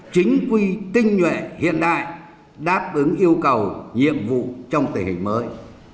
chính quy tinh nhuệ hiện đại đáp ứng yêu cầu nhiệm vụ trong tình hình mới